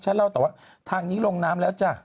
เล่าต่อว่าทางนี้ลงน้ำแล้วจ้ะ